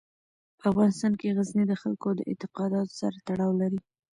په افغانستان کې غزني د خلکو د اعتقاداتو سره تړاو لري.